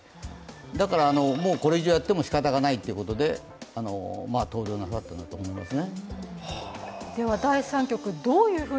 だから、もうこれ以上やってもしかたがないということで、投了なさったんだと思いますね。